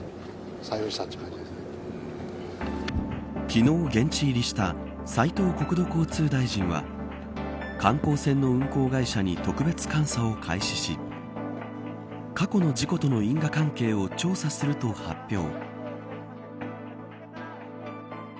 昨日、現地入りした斉藤国土交通大臣は観光船の運航会社に特別監査を開始し過去の事故との因果関係を調査すると発表。